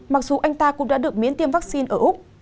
mặc dù anh ta cũng đã được miễn tiêm vaccine ở úc